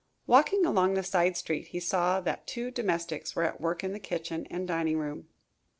Walking along the side street he saw that two domestics were at work in the kitchen and dining room.